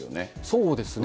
そうですね。